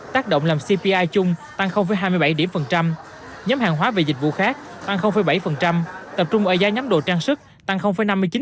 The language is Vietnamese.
tác động làm cpi chung tăng hai mươi bảy điểm phần trăm nhóm hàng hóa và dịch vụ khác tăng bảy tập trung ở giá nhóm đồ trang sức tăng năm mươi chín